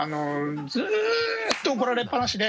ずっと怒られっぱなしで。